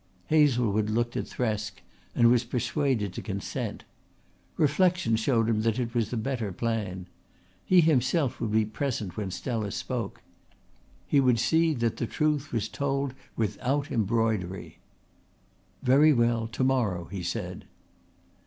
Hazlewood looked at Thresk and was persuaded to consent. Reflection showed him that it was the better plan. He himself would be present when Stella spoke. He would see that the truth was told without embroidery. "Very well, to morrow," he said.